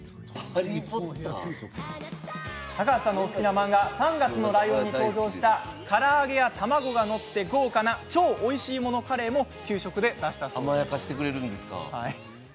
高橋さんのお好きな漫画「３月のライオン」に登場したから揚げや卵が載って豪華な超おいしいものカレーも給食で出したそうですよ。